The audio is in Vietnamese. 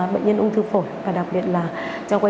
bệnh nhân ung thư phổi